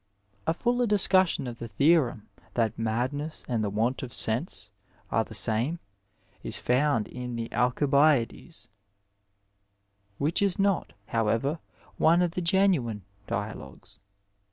A fuller discussion of the theorem that madness and the want of sense are the same is found in the Aldbiadea (II.) ; which is not, how ever, one of the genuine Dialogues.